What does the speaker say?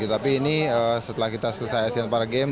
tapi ini setelah kita selesai asean paragames